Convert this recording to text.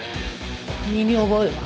身に覚えは？